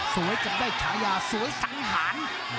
จะได้ฉายาสวยสังหาร